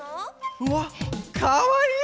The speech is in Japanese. うわかわいい！